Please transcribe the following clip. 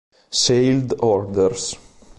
Sealed Orders